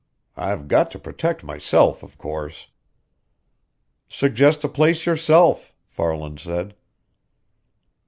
I've got to protect myself, of course." "Suggest a place yourself," Farland said.